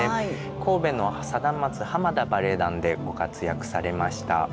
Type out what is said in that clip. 神戸の貞松・浜田バレエ団でご活躍されました。